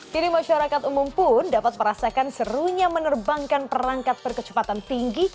kini masyarakat umum pun dapat merasakan serunya menerbangkan perangkat berkecepatan tinggi